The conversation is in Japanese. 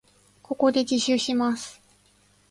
ここで自首します。